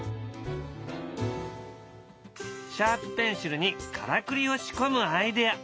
シャープペンシルにからくりを仕込むアイデア